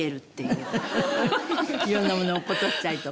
色んなものを落っことしたりとか。